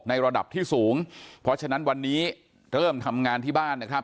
ระดับที่สูงเพราะฉะนั้นวันนี้เริ่มทำงานที่บ้านนะครับ